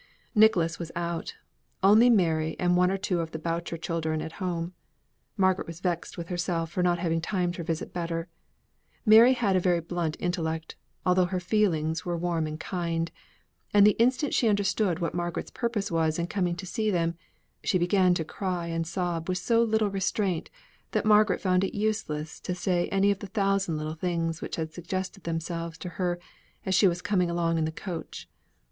Nicholas was out; only Mary and one or two of the Boucher children at home. Margaret was vexed with herself for not having timed her visit better. Mary had a very blunt intellect, although her feelings were warm and kind; and the instant she understood what Margaret's purpose was in coming to see them, she began to cry and sob with so little restraint that Margaret found it useless to say any of the thousand little things which had suggested themselves to her as she was coming along in the coach.